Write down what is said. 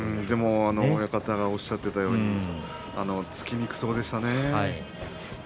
でも親方がおっしゃっていたように突きにくそうでしたね。